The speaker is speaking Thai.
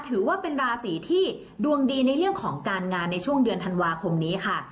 ถือว่าเป็นราศีที่ดวงดีในเรื่องของการงานในช่วงเดือนธันวาคมนี้ค่ะ